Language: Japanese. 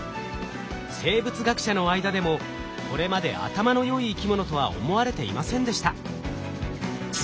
生物学者の間でもこれまで頭の良い生き物とは思われていませんでした。